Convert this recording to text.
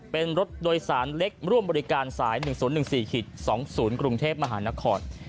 เป็นรถโดยสารเล็กร่วมบริการสาย๑๐๑๔๒๐กรุงเทพมหานคร